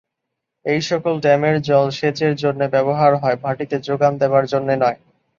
এইসকল ড্যামের জল সেচের জন্যে ব্যবহার হয়, ভাটিতে যোগান দেবার জন্যে নয়।